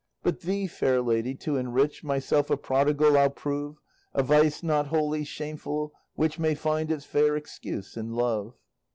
But thee, fair lady, to enrich, Myself a prodigal I'll prove, A vice not wholly shameful, which May find its fair excuse in love.